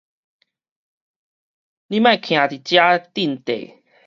你莫徛佇遮鎮地